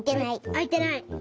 あいてない。